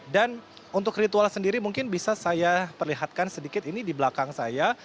dan untuk ritual sendiri mungkin bisa saya perlihatkan sedikit ini di belakang saya